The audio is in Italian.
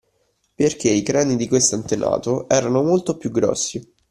Perché i crani di questo antenato erano molto più grossi.